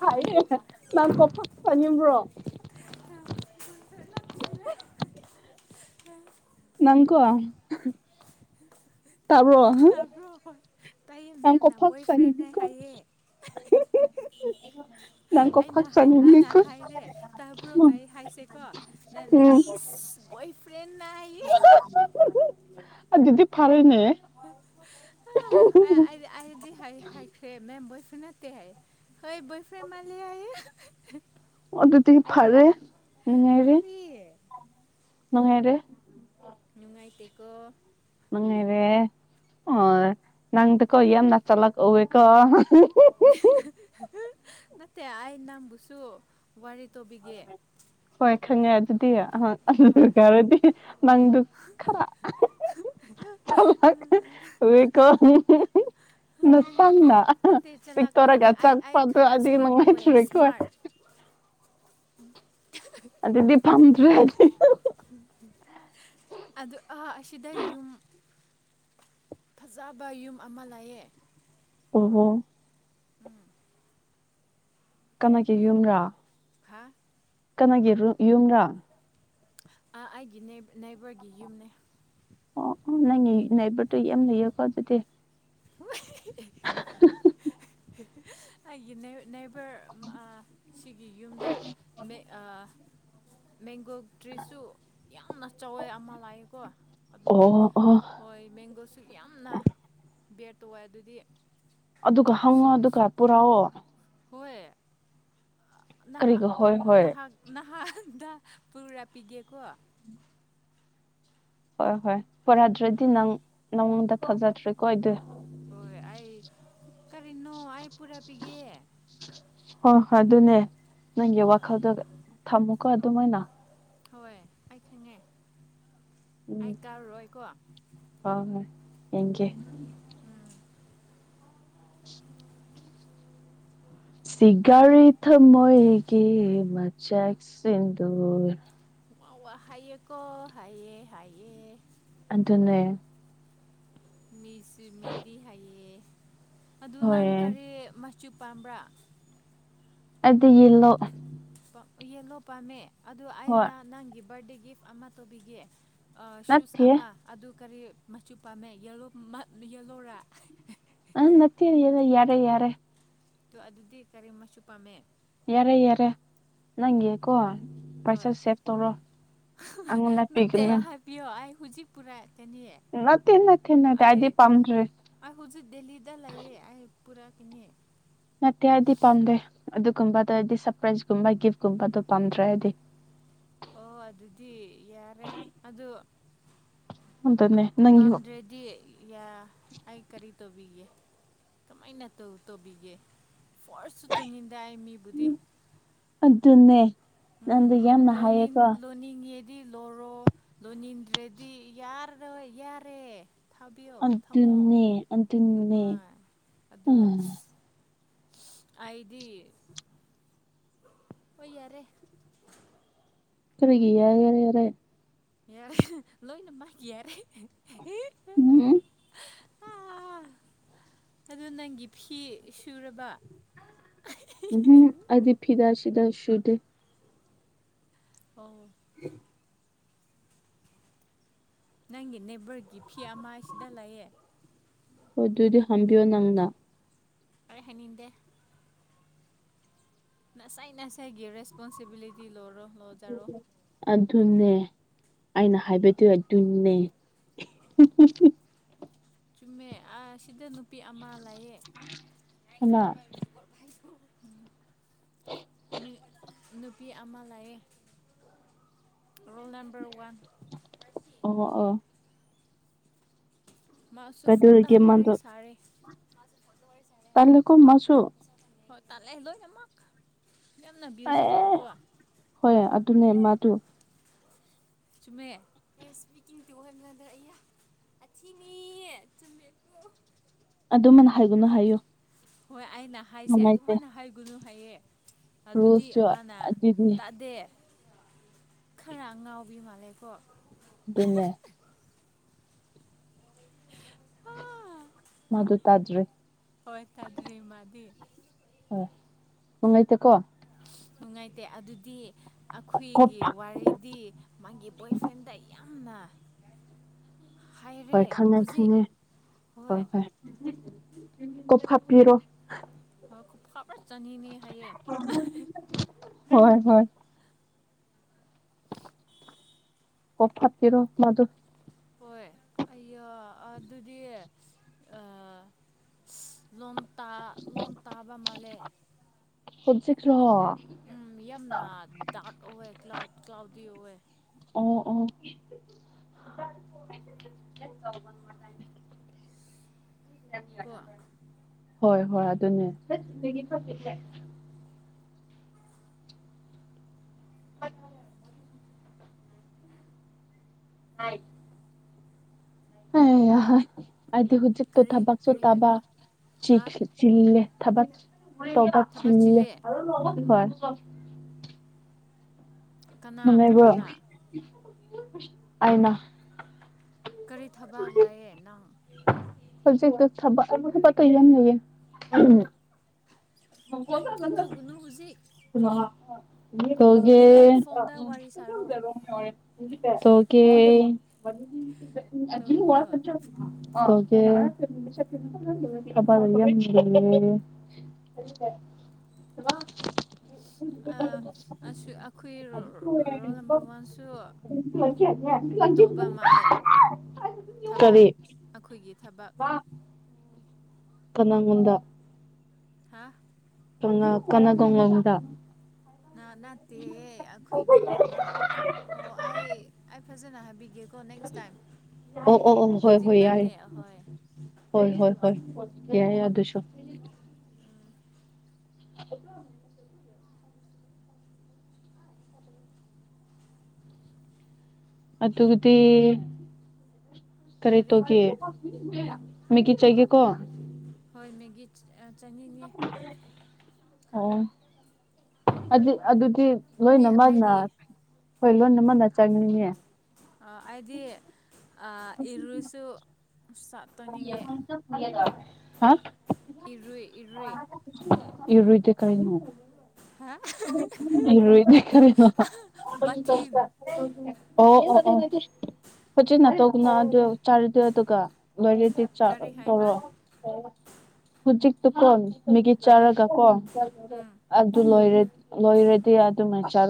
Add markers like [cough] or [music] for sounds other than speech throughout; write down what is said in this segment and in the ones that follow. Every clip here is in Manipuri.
ꯍꯥꯏꯌꯦ ꯅꯪ ꯀꯣꯄ ꯆꯥꯅꯤꯡꯕ꯭ꯔꯣ [inaudible] ꯅꯪꯀꯣ ꯇꯕꯣꯏ ꯀ ꯀ ꯐ ꯈꯨ ꯆꯅꯤꯗꯤ ꯀ ꯎ ꯑꯩꯅ ꯑꯅ ꯍꯥꯏꯔꯦ ꯇꯥꯕ꯭ꯔꯣ ꯍꯥꯏ ꯍꯥꯏꯁꯦꯀꯣ ꯅꯦꯟ ꯏꯁ ꯒꯣꯏ ꯐ꯭ꯔꯦꯟ ꯑ ꯑꯗꯨꯗꯤ ꯐꯥꯔꯅꯦ ꯑ ꯑꯩꯗꯤ ꯍꯥꯏꯈ꯭ꯔꯦ ꯃꯦꯝꯕꯣꯏ ꯈꯨꯅ ꯍꯥꯏ ꯅꯣꯏ ꯕꯣꯏꯐꯦꯟ ꯃꯥꯜꯂꯤ ꯍꯥꯏꯌꯦ ꯑꯣ ꯑꯗꯨꯇ ꯐꯔꯦ ꯅꯤꯡꯉꯔ ꯀꯔꯤ ꯅꯍꯦꯔꯦ ꯅꯨꯡꯉꯥꯏꯇꯀꯣ ꯃꯉꯩꯔꯦ ꯑꯣ ꯅꯪꯗꯨꯀꯣ ꯌꯥꯝꯅ ꯆꯂꯛ ꯎꯧꯕꯦꯀꯣ [inaudible] ꯅꯠꯇꯦ ꯑꯥꯏꯅꯝ ꯕꯨꯁꯣ ꯍꯣꯏ ꯈꯪꯉꯦ ꯑꯗꯨ ꯁꯤꯗꯌꯥ ꯑ ꯑꯗꯨ ꯍꯣꯏ ꯈꯔꯗꯤ ꯅꯪꯗꯨ ꯈꯀꯣ ꯅꯁꯪꯅ ꯅꯠꯇꯦ ꯆꯂꯥꯛ ꯄꯤꯛꯛꯇꯧꯔꯒ ꯑꯣꯏꯗꯦ ꯑꯩ ꯑꯩ ꯆꯥꯛꯄꯗꯣ ꯈꯔ ꯑꯗꯨꯗꯤ ꯁ꯭ꯃꯥꯔꯠ ꯑꯣꯏꯌꯦ ꯅꯨꯡꯉꯥꯏꯇꯨꯔꯦꯀꯣ ꯁ꯭ꯃꯥꯔꯠ [inaudible] ꯑꯗꯨꯗꯤ ꯐꯝꯗ꯭ꯔ ꯍꯥꯏ ꯑꯁꯤꯗ ꯌꯨꯝ ꯐꯖꯕ ꯌꯨꯝ ꯑꯃ ꯂꯩꯑꯦ ꯎꯍꯣ ꯀꯅꯥꯒꯤ ꯌꯨꯝ꯭ꯔꯥ ꯍꯥꯥ ꯀꯅꯥꯒꯤ ꯌꯨꯝꯔꯥ ꯑꯩꯒꯤ ꯅꯦꯏꯕꯔꯒꯤ ꯌꯨꯝꯅꯦ ꯑꯣ ꯑꯣ ꯅꯪ ꯅꯏꯕꯗꯨꯣ ꯌꯥꯝ ꯂꯩꯌꯦꯀꯣ ꯑꯗꯨꯗꯤ [inaudible] ꯑꯩ ꯅꯩꯅ ꯐꯔ ꯁꯤꯒꯤ ꯌꯨꯝꯗ ꯃꯦꯡꯒꯣ ꯇ꯭ꯔꯤꯁꯨ ꯌꯥꯝꯅ ꯆꯋꯦ ꯑꯃ ꯂꯥꯛꯑꯦꯀꯣ ꯑꯗꯨꯗꯤ ꯑꯣ ꯑꯣ ꯍꯣꯏ ꯃꯕꯦꯡꯒꯣꯁꯨ ꯌꯥꯝꯅ ꯕꯦꯠ ꯇ ꯑꯣꯏ ꯑꯗꯨꯗꯤ ꯑꯗꯨꯒ ꯍꯪꯉꯣ ꯑꯗꯨꯒ ꯄꯨꯔꯛꯑꯣ ꯍꯣꯏ ꯅꯍꯥꯛ ꯀꯔꯤꯒ ꯍꯣꯏ ꯍꯣꯏ ꯅꯍꯥꯛ ꯍꯥꯗ ꯄꯨꯥ ꯄꯤꯗꯤ ꯀꯧꯕ ꯍꯣꯏ ꯍꯣꯏ ꯄꯨꯔꯥꯗ꯭ꯔꯗꯤ ꯅꯪ ꯅꯪꯉꯣꯟꯗ ꯊꯥꯖꯗ꯭ꯔꯦꯀꯣ ꯑꯗꯨꯗ ꯍꯣꯏ ꯑꯩ ꯀꯔꯤꯅꯣ ꯑꯩ ꯄꯨꯔꯛꯄꯤꯒꯦ ꯍꯣꯏ ꯍꯣꯏ ꯑꯗꯨꯅꯦ ꯅꯪꯒꯤ ꯍꯣꯏ ꯋꯥꯈꯜꯗꯣ ꯊꯝꯃꯨꯀꯣ ꯑꯗꯨꯃꯥꯏꯅ ꯍꯣꯏ ꯑꯩ ꯈꯪꯉꯦ ꯑꯩ ꯎꯝ ꯀꯥꯔꯣꯏꯀꯣ ꯌꯦꯦꯡꯒꯤꯦ ꯎꯝ ꯁꯤꯒꯔꯤ ꯊ ꯃꯣꯏꯒꯤ ꯃꯆꯦꯛ ꯁꯤꯗꯨꯔ ꯃ ꯍꯥꯏꯩꯀꯣ ꯍꯥꯏꯌꯦ ꯍꯥꯏꯌꯦ ꯑꯇꯅꯦ ꯃꯤꯁꯤ ꯃꯤꯗꯤ ꯍꯥꯏꯌꯦ ꯑꯗꯨ ꯅꯪ ꯍꯣꯏꯌꯦ ꯀꯔꯤ ꯆꯨꯄꯥꯝꯕ꯭ꯔꯥ ꯑꯗꯤ ꯏꯂꯣ ꯎꯜꯂꯣ ꯄꯥꯝꯃꯦ ꯑꯗꯨ ꯍꯣꯏ ꯑꯩꯅ ꯅꯪꯒꯤ ꯕꯥꯔꯗꯦ ꯒꯤꯐ ꯑꯃ ꯇꯧꯕꯤꯒꯦ ꯁꯨꯁ ꯅꯠꯇꯦ ꯑꯃ ꯑꯗꯨ ꯀꯔꯤ ꯃꯆꯨ ꯄꯥꯝꯃꯦ ꯌꯦꯂꯣꯔꯥ ꯑ ꯅꯠꯇ ꯌꯦꯅ ꯌꯥꯔꯦ ꯌꯥꯔꯦ ꯑꯗꯨꯗꯤ ꯀꯔꯤ ꯃꯁꯨ ꯄꯥꯝꯃꯦ ꯌꯥꯔꯦ ꯌꯥꯔꯦ ꯅꯪꯦ ꯀꯣꯣ ꯄꯩꯁꯥ ꯍꯣꯏ ꯁꯦꯚ ꯇꯧꯔꯣ ꯑꯉꯟꯅ ꯄꯤꯒꯅ ꯍꯧꯨꯖꯤꯛ ꯄꯨꯔꯥ ꯅꯤ ꯅꯠꯇꯦ ꯅꯠꯇꯦ ꯑ ꯑꯩꯗꯤ ꯄꯥꯝꯗ꯭ꯔꯦ ꯑ ꯍꯧꯖꯤꯛ ꯗꯦꯜꯂꯤꯗ ꯂꯑꯌꯦ ꯑ ꯄꯨꯔꯥ ꯏꯅꯤ ꯅꯠꯇꯦ ꯍꯥꯏꯗꯤ ꯄꯥꯝꯗꯦ ꯑꯗꯨꯒꯨꯝꯕꯗꯗꯤ ꯁꯔꯄ꯭ꯔꯥꯏꯁꯀꯨꯝꯕ ꯒꯤꯐꯀꯨꯝꯕꯗꯣ ꯄꯥꯝꯗ꯭ꯔꯦ ꯍꯥꯏꯗꯤ ꯑꯣ ꯑꯗꯨꯗꯤ ꯌꯥꯔꯦ ꯑꯗꯨ ꯎꯇꯅꯦꯦ ꯅꯪꯤ ꯋꯥꯣ ꯄꯥꯝꯗ꯭ꯔꯗꯤ ꯌꯥ ꯑꯩ ꯀꯔꯤ ꯇꯧꯕꯤꯒꯦ ꯀꯃꯥꯏꯅ ꯇꯧꯕꯤꯒꯦ ꯐꯣꯔꯁꯁꯨ ꯇꯨꯅꯤꯡꯟꯗ ꯑꯩ ꯃꯤꯕꯨꯗꯤ ꯑꯗꯨ ꯑꯗꯨꯟꯅꯦ ꯅꯪꯗꯤ ꯌꯥꯝꯅ ꯍꯥꯏꯌꯦꯀꯣ ꯗꯤ ꯂꯣꯏꯔꯣ ꯂꯣꯅꯤꯟꯗ꯭ꯔꯦꯗꯤ ꯌꯥꯔꯣꯏ ꯌꯥꯔꯦ ꯊꯥꯕꯤꯌꯣ ꯊꯝꯃꯣ ꯑꯗꯨꯅꯦ ꯑꯗꯨꯅꯦ ꯍꯣꯏ ꯑꯗꯨ ꯎꯝ ꯑꯩꯗꯤ ꯑꯣꯏ ꯌꯥꯔꯦ ꯀꯔꯤꯒꯤ ꯌꯥꯔꯦ ꯌꯥꯔꯦ ꯌꯥꯔꯦ ꯂꯣꯏꯅꯃꯛ ꯌꯥꯔꯦ ꯎꯝ [unintelligible] ꯑꯗꯨ ꯅꯪꯒꯤ ꯐꯤ ꯁꯨꯔꯕ ꯎꯝ ꯑꯗꯤ ꯐꯤꯗꯥ ꯁꯤꯗ ꯁꯨꯗꯦ ꯑꯣ [unintelligible] ꯅꯪꯒꯤ ꯅꯦꯕꯔꯒꯤ ꯐꯤ ꯑꯃ ꯁꯤꯗ ꯂꯩꯥꯑꯦ ꯍꯣꯏ ꯑꯗꯨꯗꯤ ꯍꯝꯕꯤꯌꯣ ꯅꯪꯅ ꯑꯩ ꯍꯥꯏꯅꯤꯡꯗꯦ ꯅꯁꯥꯏ ꯅꯁꯥꯏꯒꯤ ꯔꯦꯁꯄꯣꯟꯁꯤꯕꯤꯂꯤꯇꯤ ꯂꯧꯔꯣ ꯂꯣꯖꯔꯣ ꯑꯗꯨꯅꯦ ꯑꯩꯅ ꯍꯥꯏꯕꯗꯨ ꯑꯗꯨꯅꯦ ꯆꯨꯝꯃꯦ ꯑ ꯁꯤꯗ ꯅꯨꯄꯤ ꯑꯃ ꯂꯩꯌꯦ ꯀꯅꯥ [unintelligible] ꯃꯤ ꯅꯨꯄꯤ ꯑꯃ ꯂꯥꯛꯑꯦ ꯔꯣꯜ ꯅꯝꯕꯔ ꯋꯥꯟ ꯑꯣ ꯑꯣ ꯃꯥꯁꯨ ꯐꯣꯟꯗ ꯀꯩꯗꯧꯔꯤꯒꯦ ꯋꯥꯔꯤ ꯁꯥꯔꯦ ꯇꯜꯂꯤꯀꯣ ꯃꯥꯁꯨ ꯍꯣꯏ ꯇꯥꯂꯦ ꯂꯣꯏ ꯅꯃꯛ ꯑꯦ ꯑꯦ ꯍꯣꯏ ꯑꯗꯨꯅꯦ ꯃꯥ ꯗꯨ ꯆꯨꯝꯃꯦ ꯑꯦ ꯏꯁꯄꯤꯀꯤꯡ ꯇꯨ ꯑꯅꯥꯗꯔ ꯑꯊꯤꯅꯤ ꯆꯨꯝꯃꯦ ꯑꯗꯨꯃꯅ ꯍꯥꯏꯒꯅꯨ ꯍꯥꯏꯌꯨ ꯍꯣꯏ ꯑꯩꯅ ꯍꯥꯏꯁꯦ ꯅꯨꯡꯉꯥꯏꯇꯦ ꯑꯗꯨꯝꯃꯥꯏꯅ ꯍꯥꯏꯒꯅꯨ ꯍꯥꯏꯌꯦ ꯑꯗꯨꯗꯤ ꯔꯨꯜꯁꯁꯨ ꯃꯥꯅ ꯑꯗꯨꯅꯤ ꯇꯥꯗꯦ ꯈꯔ ꯑꯉꯥꯎꯕꯤ ꯃꯥꯂꯦꯀꯣ ꯑꯗꯨꯅꯦ ꯃꯗꯨ ꯇꯥꯗ꯭ꯔꯦ ꯍꯣꯏ ꯇꯗ꯭ꯔꯤ ꯃꯥꯗꯤ ꯍꯣꯏ ꯅꯨꯡꯉꯥꯢꯇꯦꯀꯣ ꯅꯨꯡꯉꯥꯏꯇꯦ ꯑꯗꯨꯗꯤ ꯑꯈꯣꯏꯒꯤ ꯀꯣꯐꯥꯛ ꯋꯥꯔꯤꯗꯤ ꯃꯥꯒꯤ ꯕꯣꯏ ꯐ꯭ꯔꯦꯟꯗ ꯌꯥꯝ ꯅꯥ ꯍꯣꯏ ꯈꯪꯉꯦ ꯊꯪꯉꯦ ꯍꯣꯏ ꯍꯣꯏ ꯀꯞ ꯍꯥꯥꯞꯄꯤꯔꯣ ꯈ ꯈꯥꯔ ꯆꯅꯤꯅꯦ ꯍꯥꯏꯌꯦ ꯍꯣꯏ ꯍꯣꯏ ꯑꯣꯞ ꯍꯥꯠꯇꯔꯣ ꯃꯗꯨ ꯍꯣꯏ ꯑꯩ ꯑꯗꯨꯗꯤ ꯂꯣꯝ ꯇꯥ ꯂꯣꯟ ꯇꯥꯕ ꯃꯥꯜꯂꯦ ꯍꯧꯖꯤ꯭ꯔꯣ ꯎꯝ ꯌꯥꯝꯅ ꯗꯗꯥꯇ ꯑꯣꯏ ꯀ ꯀꯥꯎꯗꯤ ꯑꯣꯏꯋ ꯑꯣ ꯑꯣ ꯂꯝꯕꯤꯣ ꯅꯝꯕ ꯀꯣ ꯍꯣꯏ ꯍꯣꯏ ꯑꯗꯨꯅꯦ ꯑ ꯑ ꯑ ꯍꯥꯏꯗꯤ ꯍꯧꯖꯤꯛꯇꯣ ꯀꯔꯤ ꯀꯔꯤ ꯊꯥꯕꯁꯨꯣꯊꯥꯕ ꯍꯥꯏꯕ ꯍꯥ ꯆꯤꯜꯂꯦ ꯊꯕꯛ ꯁꯚꯥ ꯊꯕꯛ ꯆꯜꯦ ꯆꯤꯜꯂꯦ ꯍ ꯑꯐ ꯀꯅꯥ ꯃꯃꯦꯕ ꯀꯅꯥꯅ ꯑꯩꯅ ꯀꯔꯤ ꯊꯕꯥꯛ ꯂꯥꯛꯑꯦ ꯅꯪ ꯁꯖꯦꯛꯛꯇ ꯊꯕꯨ ꯊꯕꯣ ꯏꯍ ꯂꯩꯌꯦ [inaudible] ꯇꯧꯒꯅꯨ ꯍꯧꯖꯤꯛ ꯍꯧꯖꯤꯛ ꯐꯣꯟꯗ ꯋꯥꯔꯤ ꯁꯥꯔꯣ ꯇꯧꯒꯅꯨ [unintelligible] [unintelligible] [unintelligible] [inaudible] ꯑꯥ ꯑꯁꯨ ꯑꯩꯈꯣꯏ ꯔꯣꯜ ꯅꯝꯕꯔ ꯋꯥꯟꯁꯨ ꯇꯧꯕ ꯃꯥꯜꯂꯦ ꯊꯕꯛ ꯁꯔꯤ ꯑꯩꯈꯣꯏꯒꯤ ꯊꯕꯛ ꯋꯥ ꯀꯅꯥꯒꯨꯝꯗ ꯍꯥ ꯀꯅꯒꯉꯝꯗ ꯅꯠꯇꯦ ꯑꯩꯈꯣꯏꯒꯤ ꯊꯕꯛ ꯑꯣ ꯑꯩ ꯐꯖꯅ ꯍꯥꯏꯕꯤꯒꯦꯠ ꯑꯣ ꯑꯣ ꯑꯣ ꯍꯣꯏ ꯍꯧꯖꯤꯛ ꯍꯣꯏ ꯌꯥꯏꯦ ꯅꯠꯇꯦ ꯑꯍꯣꯏ ꯍ ꯍꯣꯏ ꯍ ꯌꯥꯏ ꯑꯗꯨꯁꯨ [inaudible] ꯑꯗꯨꯗꯤ ꯀꯔꯤ ꯇꯣꯒꯤ ꯎ ꯃꯤꯒꯤ ꯆꯌꯦꯀꯣ ꯑ [inaudible] ꯑꯣ ꯑꯗꯤ ꯑꯗꯨꯗꯤ ꯃꯤ ꯂꯣꯏꯅꯃꯛꯅ ꯑꯇꯩꯗꯤ ꯍꯣꯏ ꯂꯣꯏꯅꯃꯛꯅ ꯆꯪꯂꯤꯅꯦ ꯍꯥꯏꯗꯤ ꯑ ꯏꯔꯨꯁꯨ ꯆꯥꯛ [unintelligible] ꯍꯥ ꯏꯔꯣꯏ ꯏꯔꯣꯏ ꯏꯔꯣꯏꯗꯤ ꯀꯔꯤꯅꯣ ꯏꯗꯤ ꯈꯔꯦ ꯕꯥꯊꯤꯟ ꯑꯣ ꯑꯣ ꯑꯣ ꯍꯣꯆꯤꯟ ꯅꯥꯇꯧꯒꯅ ꯑꯗꯨ ꯆꯥꯔꯗ ꯑꯗꯨꯒ ꯂꯣꯏꯔꯗꯤ ꯀꯔꯤ ꯍꯥꯏꯕ ꯇꯧꯔꯑꯣ ꯍꯧꯖꯤꯛ ꯇꯨ ꯐꯣꯟ ꯃꯤꯒꯤꯠ ꯑꯣꯏ ꯆꯥꯔꯒ ꯀꯣ ꯎꯝ ꯑꯗꯨ ꯂꯣꯏ ꯂꯣꯏꯔꯗꯤ ꯑꯗꯨꯃꯥꯏꯅ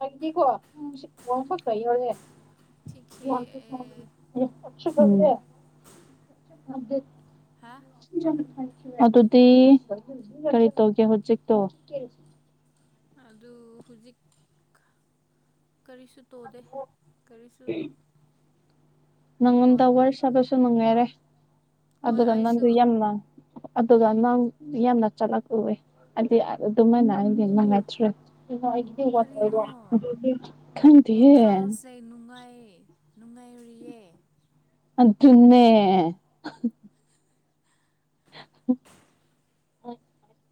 ꯔꯣꯗꯤꯀꯣ ꯋꯥꯈꯛꯇ ꯌꯧꯔꯦ ꯊꯤꯈꯦ [unintelligible] ꯍꯥ ꯑꯗꯨꯗꯤ ꯀꯔꯤ ꯇꯧꯒꯦ ꯍꯧꯖꯤꯛꯇꯣ ꯑꯗꯨ ꯍꯧꯖꯤꯛ ꯀꯔꯤꯁꯨ ꯇꯣꯗꯦ ꯀꯔꯤꯁꯨ ꯅꯪꯟ ꯍꯣꯏ ꯋꯥꯔꯁꯕꯁꯨ ꯅꯪꯉꯥꯏꯔꯦ ꯍꯣꯏ ꯑꯗꯨꯗ ꯅ ꯑꯩꯁꯨ ꯑꯗꯨ ꯌꯦꯃ ꯑꯗꯨꯒ ꯅꯪ ꯌꯥꯝꯅ ꯆꯠꯂꯛꯂꯑꯦ ꯍꯥꯏꯗꯤ ꯑꯗꯨꯃꯥꯏꯅ ꯑꯩꯗꯤ ꯅꯨꯡꯉꯥꯏꯇ꯭ꯔꯦ ꯑꯣ ꯀꯔꯤꯅꯣ ꯈꯥꯟꯗꯤ ꯍꯦ ꯋꯥꯈꯜꯁꯦ ꯅꯨꯡꯉꯥꯏ ꯅꯨꯡꯉꯥꯏꯔꯤꯌꯦ ꯑꯗꯨꯠꯇꯟꯅꯦ [inaudible]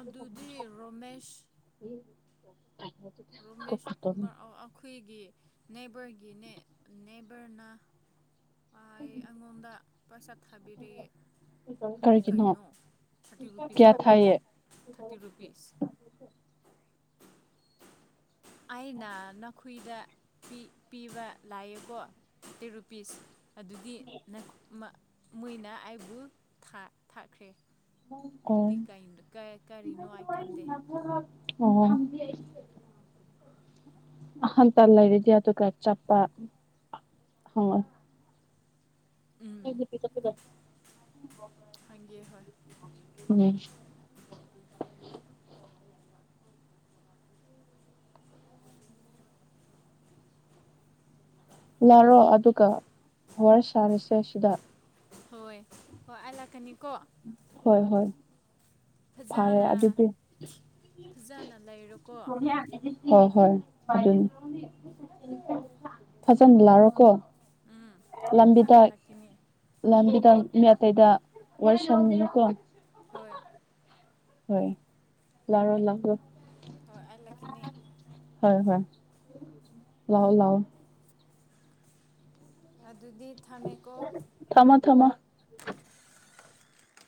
ꯑꯗꯨꯗꯤ ꯔꯣꯃꯦꯁ ꯑ ꯔꯣꯃꯦꯁ ꯀꯨꯃꯥꯔ ꯑꯩꯈꯣꯏꯒꯤ ꯅꯦꯕꯔꯒꯤ ꯅꯦꯕꯔꯅ ꯑꯩ ꯑꯩꯉꯣꯟꯗ ꯄꯩꯁꯥ ꯊꯥꯕꯤꯔꯌꯦꯦ ꯑꯗꯨꯗꯤ ꯀꯔꯤꯒꯤꯅꯣ ꯀꯩꯅꯣ ꯊꯥꯔꯇꯤ ꯔꯨꯄꯤꯁ ꯀꯌꯥ ꯊꯥꯕꯤꯌꯦꯦ ꯊꯥꯏꯌꯦ ꯊꯥꯔꯇꯤ ꯔꯨꯄꯤꯁ ꯑꯩꯅ ꯅꯈꯨꯏꯗ ꯄꯤꯕ ꯂꯥꯛꯑꯦꯀꯣ ꯇꯦ ꯔꯨꯄꯤꯁ ꯑꯗꯨꯗꯤ ꯅ ꯃꯩꯅ ꯑꯩꯕꯨ ꯊꯥꯈ꯭ꯔꯦ ꯍ ꯀ ꯑꯗꯨꯗꯤ ꯀꯔꯤꯅꯣ ꯑꯩ ꯈꯪꯗꯦ [unintelligible] ꯑꯣ ꯍ ꯇꯂ ꯂꯩꯔꯗꯤ ꯑꯗꯨꯒ ꯆꯄ ꯍ ꯍꯗ ꯍꯒꯦ [unintelligible] [inaudible] ꯂꯥꯛꯔꯣ ꯑꯗꯨꯒ ꯍꯔ ꯁꯥꯔꯤꯁꯦ ꯁꯤꯗ ꯍꯣꯏ ꯍꯣꯏ ꯑ ꯂꯥꯛꯀꯅꯤ ꯀꯣ ꯍꯣꯏ ꯍꯣꯏ ꯐꯔꯦ ꯐꯖꯅ ꯑꯗꯨꯗꯤ ꯐꯖꯅ ꯂꯩꯔꯣꯀꯣ ꯍꯣꯏ ꯍꯣꯏ ꯑꯗꯨ ꯐꯖꯅ ꯂꯥꯔꯣ ꯀꯣ ꯎꯝ ꯂꯝꯕꯤꯗ ꯐꯖꯅ ꯂꯥꯛꯀꯅꯤ ꯂꯝꯕꯤꯗ ꯃꯤ ꯑꯇꯩꯗ ꯋꯥꯔꯤ ꯁꯪꯉꯤꯅꯤꯀꯣ ꯍꯣꯏ ꯍ ꯂꯥꯔ ꯂ ꯍꯣꯏ ꯑ ꯂꯀꯅꯤ ꯂꯑꯣ ꯂꯑꯣ ꯑꯗꯨ ꯗꯗꯨꯙ ꯊꯃꯦꯀ ꯊꯝꯃꯣ ꯊꯝꯃꯣ